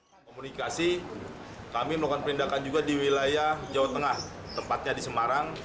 komunikasi kami melakukan perlindakan juga di wilayah jawa tengah tepatnya di semarang